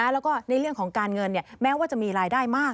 แล้วก็ในเรื่องของการเงินแม้ว่าจะมีรายได้มาก